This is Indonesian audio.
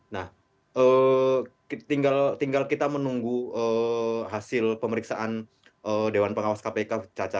nah tinggal kita menunggu hasil pemeriksaan dewan pengawas kpk caca